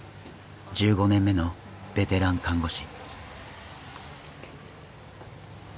１５年目のベテラン看護師。